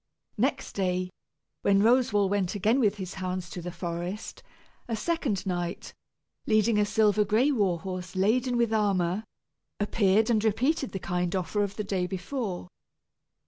Next day, when Roswal went again with his hounds to the forest, a second knight, leading a silver gray war horse laden with armor, appeared and repeated the kind offer of the day before.